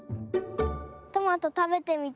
トマトたべてみたい。